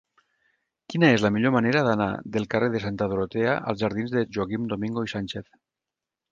Quina és la millor manera d'anar del carrer de Santa Dorotea als jardins de Joaquim Domingo i Sánchez?